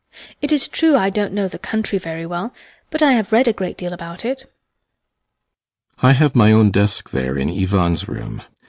It is true I don't know the country very well, but I have read a great deal about it. ASTROFF. I have my own desk there in Ivan's room.